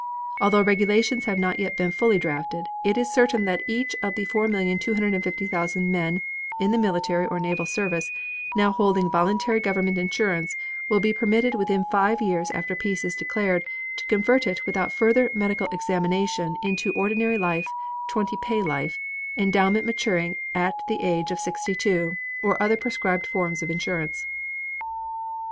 Although regulations have not yet been fully drafted, it is certain that each of the 4,250,000 men in the military or naval service now holding voluntary government insurance will be permitted within five years after peace is declared to convert it without further medical examination into ordinary life, twenty pay life, endowment maturing at the age of sixty two, or other prescribed forms of insurance.